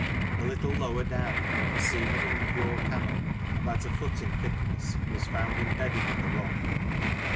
A little lower down, a seam of impure cannel, about a foot in thickness, was found im bedded in the rock.